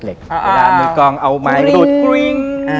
เวลามีกองเอาไม้รูดรูด